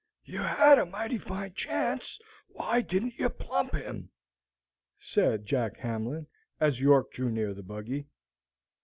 "You had a mighty fine chance; why didn't you plump him?" said Jack Hamlin, as York drew near the buggy.